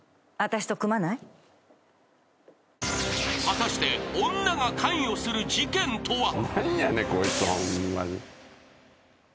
［果たして女が関与する事件とは！？］